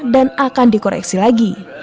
dan akan dikoreksi lagi